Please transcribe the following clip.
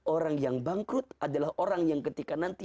orang yang bangkrut adalah orang yang ketika nanti